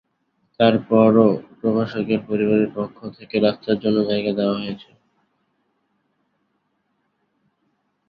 তার পরও প্রভাষকের পরিবারের পক্ষ থেকে রাস্তার জন্য জায়গা দেওয়া হয়েছে।